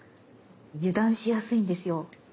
油断しやすいんですよ。